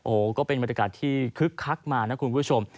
โอ้โหก็เป็นบรรยากาศที่คึกคักมานะคุณผู้ชม